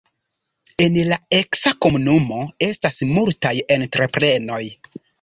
En la eksa komunumo estas multaj entreprenoj.